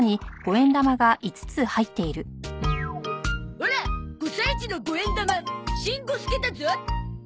オラ５歳児の５円玉しん五すけだゾ。